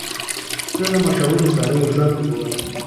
زه د مشهورو سړیو ژوند ته ګورم.